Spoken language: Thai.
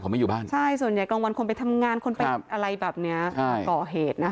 ไม่อยู่บ้านใช่ส่วนใหญ่กลางวันคนไปทำงานคนไปอะไรแบบนี้ก่อเหตุนะคะ